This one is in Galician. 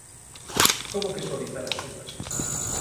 ¿Como que suavizar as subas?